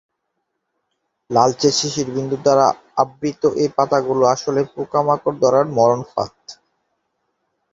লালচে শিশির বিন্দু দ্বারা আবৃত এ পাতাগুলো আসলে পোকামাকড় ধরার মরণ ফাঁদ।